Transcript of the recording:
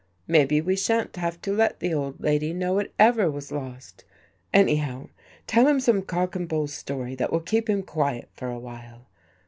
Maybe we sha'n't have THE JADE EARRING to let the old lady know it ever was lost. Anyhow, tell him some cock and bull story that will keep him quiet for a while.